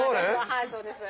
はいそうです。